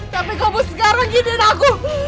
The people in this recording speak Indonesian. tapi kamu sekarang giniin aku